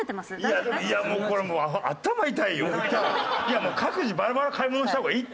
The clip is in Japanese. もう各自バラバラ買い物した方がいいって。